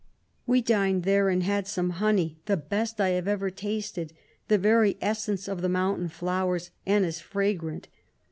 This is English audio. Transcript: We dined there, and had some honey, the best I have ever tasted, the very essence of the mountain flowers, and as fragrant.